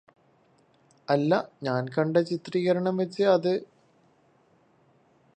അല്ല ഞാന് കണ്ട ചിത്രികരണം വച്ച് അത്